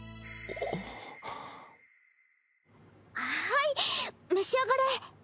はい召し上がれ。